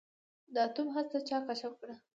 د اتوم هسته چا کشف کړه.